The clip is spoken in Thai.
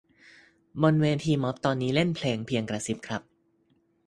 บนเวทีม็อบตอนนี้เล่นเพลง "เพียงกระซิบ" ครับ